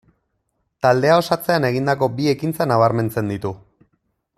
Taldea osatzean egindako bi ekintza nabarmentzen ditu.